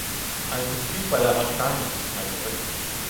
I am confused by that much kindness, milord.